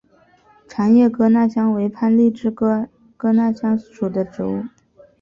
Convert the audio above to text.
长叶哥纳香为番荔枝科哥纳香属的植物。